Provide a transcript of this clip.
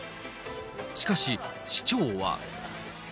しかし、市長は。